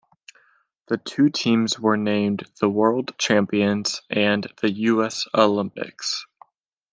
The two teams were named the "World Champions" and the "U. S. Olympics".